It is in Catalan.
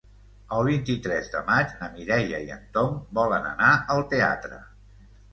El vint-i-tres de maig na Mireia i en Tom volen anar al teatre.